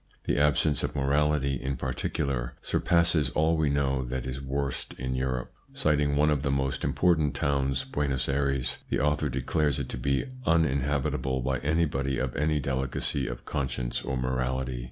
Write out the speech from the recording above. The absence of morality, in particular, surpasses all we know that is worst in Europe. Citing one of the most important towns, Buenos Ayres, the author declares it to be uninhabitable by anybody of any delicacy of conscience or morality.